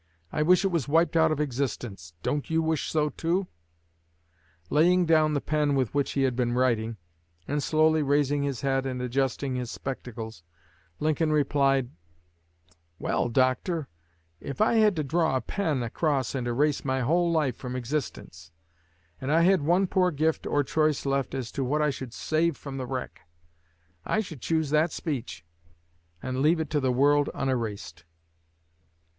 I wish it was wiped out of existence. Don't you wish so too?" Laying down the pen with which he had been writing, and slowly raising his head and adjusting his spectacles, Lincoln replied: "Well, Doctor, if I had to draw a pen across and erase my whole life from existence, and I had one poor gift or choice left as to what I should save from the wreck, I should choose that speech, and leave it to the world unerased."